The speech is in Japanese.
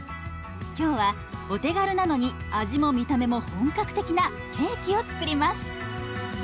今日はお手軽なのに味も見た目も本格的なケーキを作ります。